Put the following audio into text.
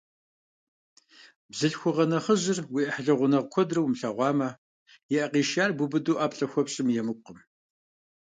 Бзылъхугъэ нэхъыжьыр уи ӏыхьлы гъунэгъу куэдрэ умылъэгъуамэ, и ӏэ къишияр бубыду ӏэплӏэ хуэпщӏми емыкӏукъым.